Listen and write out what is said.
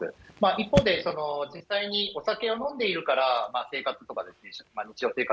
一方で、実際にお酒を飲んでいるから、生活とか、日常生活、